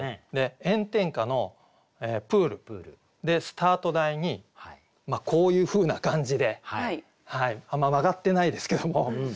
炎天下のプールでスタート台にこういうふうな感じであんま曲がってないですけども。